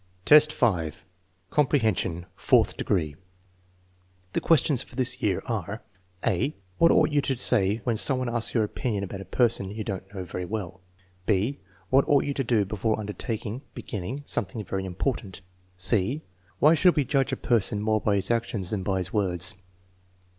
X, 5. Comprehension, fourth degree The questions for this year are: (a) "What ought you to say when some one aslcs your opinion about a person you don't know very well 9" (6) " What ought you to do before undertaking (beginning) some thing very important f" (c) " Why should we judge a person more by his actions than by his words?"